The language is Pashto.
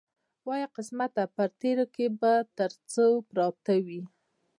وایه قسمته په تېرو کې به تر څو پراته وي.